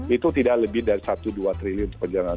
itu tidak lebih dari satu dua triliun perjalanan